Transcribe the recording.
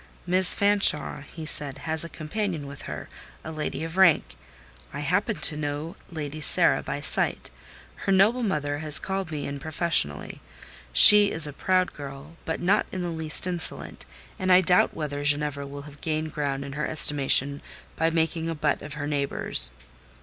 "Miss Fanshawe," he said, "has a companion with her—a lady of rank. I happen to know Lady Sara by sight; her noble mother has called me in professionally. She is a proud girl, but not in the least insolent, and I doubt whether Ginevra will have gained ground in her estimation by making a butt of her neighbours."